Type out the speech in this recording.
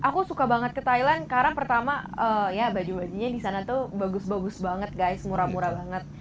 aku suka banget ke thailand karena pertama ya baju bajunya di sana tuh bagus bagus banget guys murah murah banget